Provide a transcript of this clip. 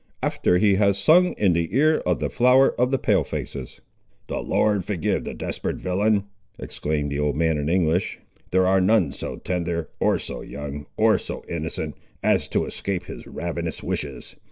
"After he has sung in the ear of the flower of the Pale faces." "The Lord forgive the desperate villain!" exclaimed the old man in English. "There are none so tender, or so young, or so innocent, as to escape his ravenous wishes.